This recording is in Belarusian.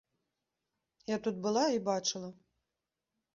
Я тут была і бачыла!